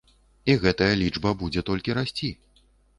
І гэтая лічба будзе толькі расці.